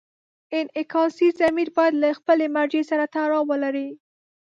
انعکاسي ضمیر باید له خپلې مرجع سره تړاو ولري.